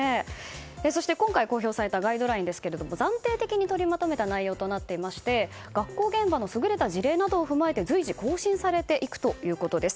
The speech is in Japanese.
そして今回公表されたガイドラインですが暫定的に取りまとめた内容となっていまして学校現場の優れた事例などを踏まえて随時、更新されていくということです。